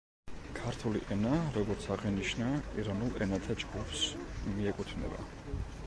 ქურთული ენა, როგორც აღინიშნა, ირანულ ენათა ჯგუფს მიეკუთვნება.